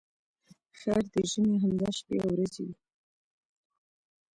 خیر د ژمي همدا شپې او ورځې وې.